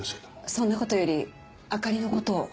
そんな事よりあかりの事を。